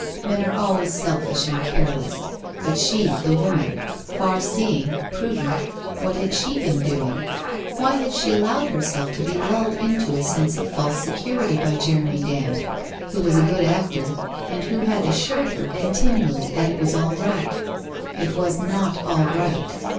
Men are always selfish and careless, but she, the woman, farseeing, prudent, what had she been doing? Why had she allowed herself to be lulled into a sense of false se curity by Jeremy Dand, who was a good actor and who had assured her continually that it was all right. It was not all right.